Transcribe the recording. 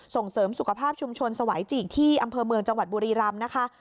ส่งเสริมสุขภาพชุมชนสวายจีกที่อำเภอเมืองจังหวัดบุรีรำนะคะ